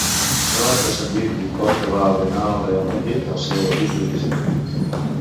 No ha transcendit l'import que va abonar el Real Madrid al seu equip d'origen.